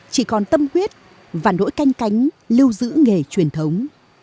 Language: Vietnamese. chỉ còn tâm quyết và nỗi canh cánh lưu giữ nghề truyền thống